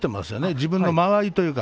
自分の間合いというか。